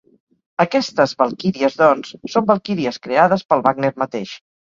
Aquestes valquíries, doncs, són valquíries creades pel Wagner mateix.